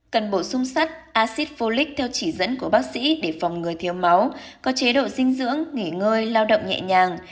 cần bổ sung sắt acid folic theo chỉ dẫn của bác sĩ để phòng người thiếu máu có chế độ dinh dưỡng nghỉ ngơi lao động nhẹ nhàng